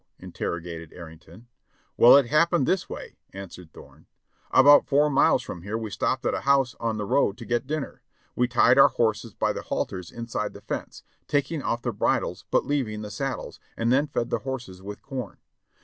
interrogated Arrington. "Well, it happened this way," aswered Thorne. "About four miles from here we stopped at a house on the road to get dinner. We tied our horses by the halters inside the fence, taking off the bridles but leaving the saddles, and then fed the horses with corn.